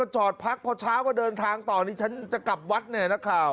ช้าก็เดินทางต่อนี้นี้จะกลับวัดแน่ข่าว